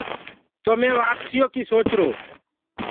تو مي وآپسيٚ يو ڪيٚ سوچرو۔